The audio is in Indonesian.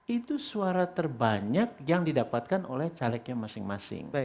itu suara terbanyak yang didapatkan oleh calegnya masing masing